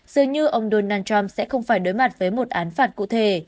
dường như ông donald trump sẽ không phải đối mặt với một án phạt cụ thể